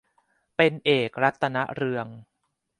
เป็นเอก รัตนเรือง